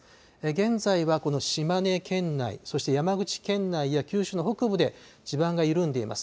現在はこの島根県内、そして山口県内や九州の北部で地盤が緩んでいます。